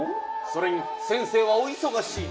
それに先生はおいそがしい。